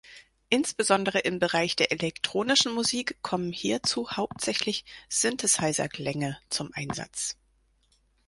Insbesondere im Bereich der elektronischen Musik kommen hierzu hauptsächlich Synthesizer-Klänge zum Einsatz.